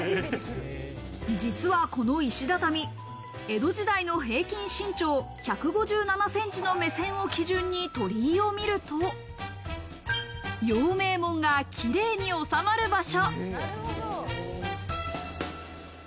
実はこの石畳、江戸時代の平均身長１５７ｃｍの目線を基準に鳥居を見ると、陽明門がキレイに収まる場所。